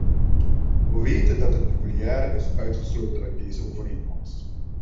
Wij weten dat het nucleaire is uitgesloten uit deze overeenkomst.